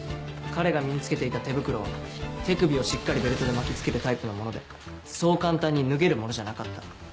彼が身に着けていた手袋は手首をしっかりベルトで巻き付けるタイプのものでそう簡単に脱げるものじゃなかった。